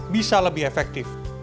bisa lebih efektif